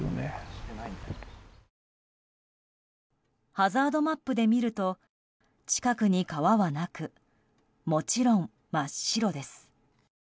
ハザードマップで見ると近くに川はなくもちろん真っ白です。